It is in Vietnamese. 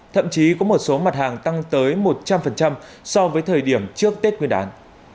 thậm chí có một số mặt hàng tăng tới một trăm linh so với thời điểm trước tết nguyên đán